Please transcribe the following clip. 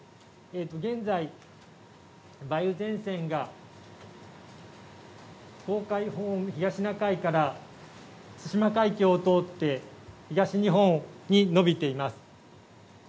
現在、梅雨前線が東シナ海から対馬海峡を通って東日本に延びています。